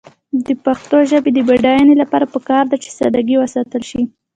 د پښتو ژبې د بډاینې لپاره پکار ده چې ساده ګي وساتل شي.